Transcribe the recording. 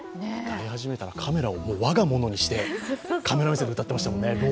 カメラを我がものにしてカメラ目線で歌ってましたもんね。